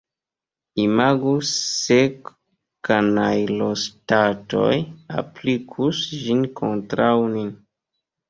Imagu se kanajloŝtatoj aplikus ĝin kontraŭ nin!